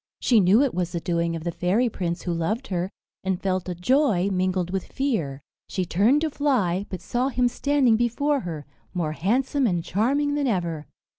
She knew it was the doing of the fairy prince who loved her, and felt a joy mingled with fear. She turned to fly, but saw him standing before her, more handsome and charming than ever.